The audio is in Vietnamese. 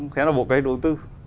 thế là bộ kế hoạch đầu tư